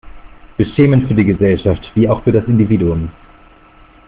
Beschämend für die Gesellschaft, wie auch für das Individuum.